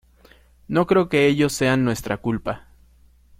No creo que ellos sean nuestra culpa.